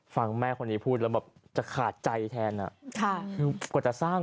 แม่คนนี้พูดแล้วแบบจะขาดใจแทนอ่ะค่ะคือกว่าจะสร้าง